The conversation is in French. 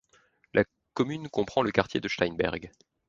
La commune comprend le quartier de Steinberg.